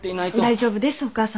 大丈夫ですお母さま。